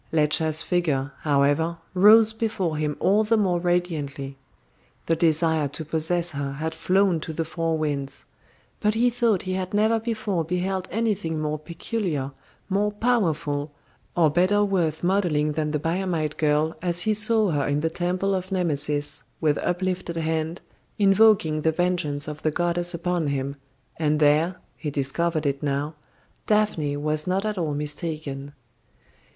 Ledscha's figure, however, rose before him all the more radiantly. The desire to possess her had flown to the four winds; but he thought he had never before beheld anything more peculiar, more powerful, or better worth modelling than the Biamite girl as he saw her in the Temple of Nemesis, with uplifted hand, invoking the vengeance of the goddess upon him, and there he discovered it now Daphne was not at all mistaken.